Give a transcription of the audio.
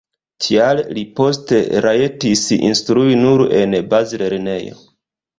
Tial li poste rajtis instrui nur en bazlernejo.